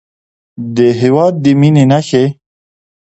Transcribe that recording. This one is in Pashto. د هېواد د مینې نښې